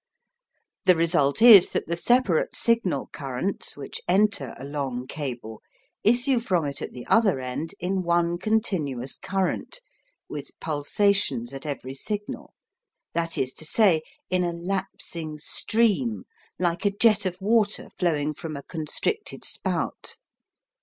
The result is that the separate signal currents which enter a long cable issue from it at the other end in one continuous current, with pulsations at every signal, that is to say, in a lapsing stream, like a jet of water flowing from a constricted spout.